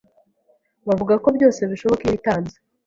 Bavuga ko byose bishoboka iyo witanze